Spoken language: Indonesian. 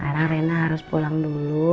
sekarang rena harus pulang dulu